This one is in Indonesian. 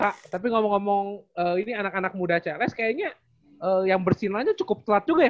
pak tapi ngomong ngomong ini anak anak muda crs kayaknya yang bersinanya cukup telat juga ya